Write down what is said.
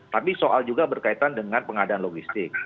tapi soal juga berkaitan dengan pengadaan logistik